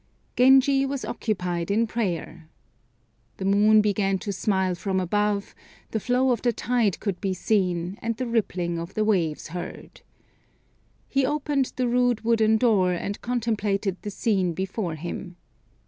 Genji was occupied in prayer. The moon began to smile from above, the flow of the tide could be seen, and the rippling of the waves heard. He opened the rude wooden door, and contemplated the scene before him.